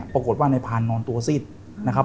ปรากฏว่านายพานนอนตัวซิดนะครับ